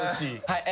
はい。